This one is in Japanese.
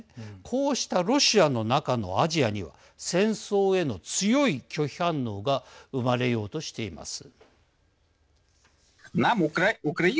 こうしたロシアの中のアジアには戦争への強い拒否反応が生まれようとしています。